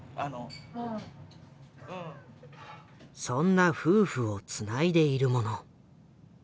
そんな夫婦をつないでいるもの。